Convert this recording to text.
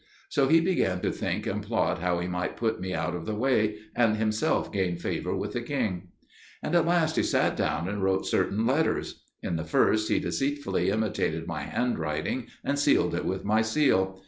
So he began to think and plot how he might put me out of the way, and himself gain favour with the king. And at last he sat down and wrote certain letters. In the first he deceitfully imitated my handwriting, and sealed it with my seal.